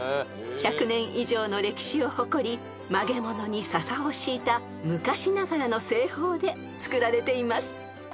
［１００年以上の歴史を誇り曲げ物に笹を敷いた昔ながらの製法で作られています］